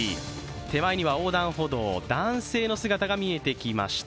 手前には横断歩道、男性の姿が見えてきました。